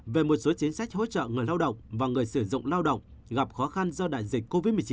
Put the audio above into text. về một số chính sách hỗ trợ người lao động và người sử dụng lao động gặp khó khăn do đại dịch covid một mươi chín